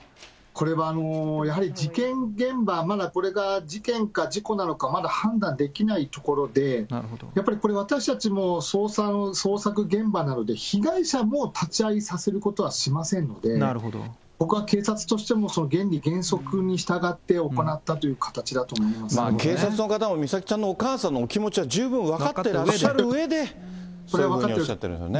これはやはり事件現場、これが事件か事故かまだ判断できないところで、やっぱりこれ、私たちも捜索現場なので、被害者も立ち会いさせることはしませんので、僕は警察としても原理原則に従って行ったという形だと思いますけ警察の方も、美咲ちゃんのお母さんのお気持ちは十分分かってらっしゃるうえで。